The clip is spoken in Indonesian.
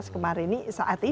kemarin saat ini